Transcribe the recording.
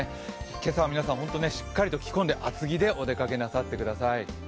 今朝は皆さんしっかり着込んで厚着でお出かけなさってください。